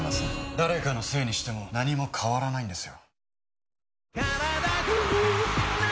誰かのせいにしても何も変わらないですよ。